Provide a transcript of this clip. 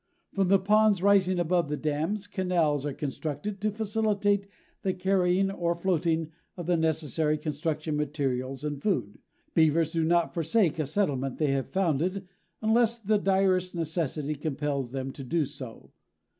From the ponds rising above the dams, canals are constructed to facilitate the carrying or floating of the necessary construction materials and food. Beavers do not forsake a settlement they have founded unless the direst necessity compels them to do so.